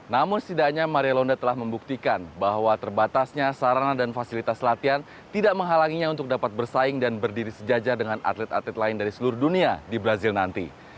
namun setidaknya maria londa telah membuktikan bahwa terbatasnya sarana dan fasilitas latihan tidak menghalanginya untuk dapat bersaing dan berdiri sejajar dengan atlet atlet lain dari seluruh dunia di brazil nanti